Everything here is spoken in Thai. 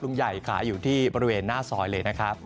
ลุงใหญ่ขายอยู่ที่บริเวณหน้าซอยเลยนะครับ